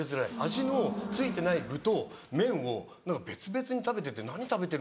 味のついてない具と麺を何か別々に食べてて何食べてるのか。